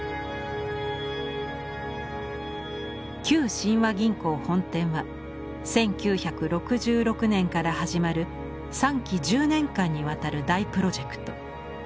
旧親和銀行本店は１９６６年から始まる３期１０年間にわたる大プロジェクト。